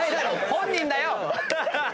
本人だよ！